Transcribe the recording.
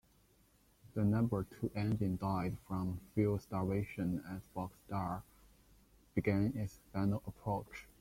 The number two engine died from fuel starvation as "Bockscar" began its final approach.